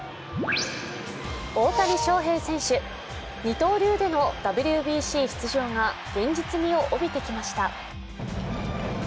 大谷翔平選手、二刀流でのＷＢＣ出場が現実味を帯びてきました。